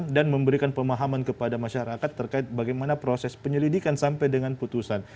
memberikan pemahaman kepada masyarakat terkait bagaimana proses penyelidikan sampai dengan putusan